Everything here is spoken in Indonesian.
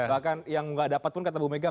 bahkan yang tidak dapat pun kata bumega